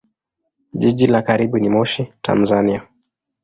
Jiji la karibu ni Moshi, Tanzania.